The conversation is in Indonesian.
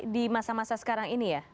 di masa masa sekarang ini ya